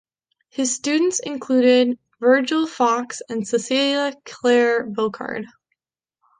His students included Virgil Fox and Cecilia Clare Bocard.